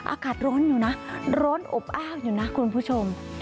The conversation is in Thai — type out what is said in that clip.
อากาศร้อนอยู่นะร้อนอบอ้าวอยู่นะคุณผู้ชม